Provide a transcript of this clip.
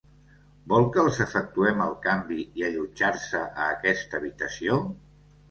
Vol que els efectuem el canvi i allotjar-se a aquesta habitació?